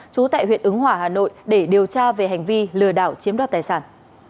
trú tại huyện ứng hỏa hà nội để điều tra về hành vi lừa đảo chiếm đoạt tài sản